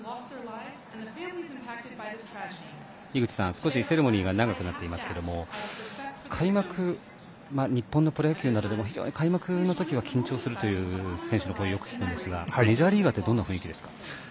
少しセレモニーが長くなっていますけれども開幕、日本のプロ野球なども非常に開幕の時は緊張するという選手の声をよく聞くんですがメジャーリーガーはどんな雰囲気ですか？